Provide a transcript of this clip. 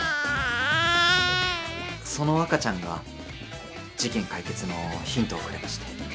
・その赤ちゃんが事件解決のヒントをくれまして。